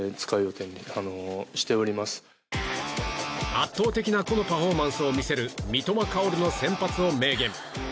圧倒的な個のパフォーマンスを見せる三笘薫の先発を明言。